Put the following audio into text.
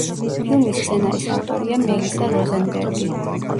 ფილმის სცენარის ავტორია მელისა როზენბერგი.